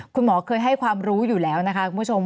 คุณหมอเคยให้ความรู้อยู่แล้วนะคะคุณผู้ชม